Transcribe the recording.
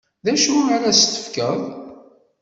D acu ara as-tefkeḍ?